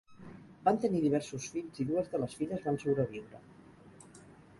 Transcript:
Van tenir diversos fills, i dues de les filles van sobreviure.